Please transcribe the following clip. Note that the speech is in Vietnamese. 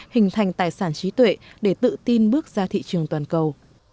hình thành tài sản trí tuệ để tự tin bước ra thị trường toàn cầu